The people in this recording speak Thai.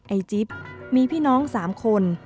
ไอจิ๊บมีพี่น้อง๓คน